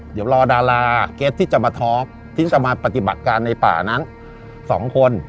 เดี๋ยวรอดาราเกสที่จะมาทอล์กที่จะมาปฏิบัติการในป่านั้น๒คน